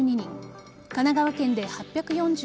神奈川県で８４１人